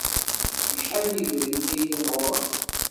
Acḥal n yidrimen i yellan ɣur-m?